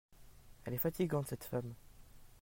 Elle est fatigante cette femme.